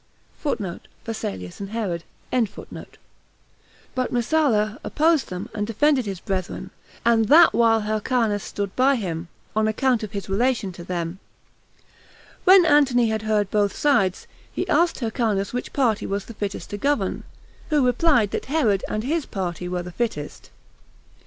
17 But Messala opposed them, and defended the brethren, and that while Hyrcanus stood by him, on account of his relation to them. When Antony had heard both sides, he asked Hyrcanus which party was the fittest to govern, who replied that Herod and his party were the fittest.